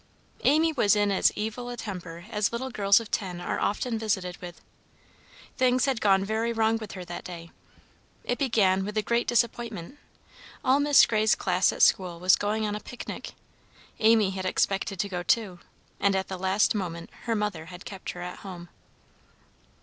Amy was in as evil a temper as little girls of ten are often visited with. Things had gone very wrong with her that day. It began with a great disappointment. All Miss Gray's class at school was going on a picnic. Amy had expected to go too, and at the last moment her mother had kept her at home.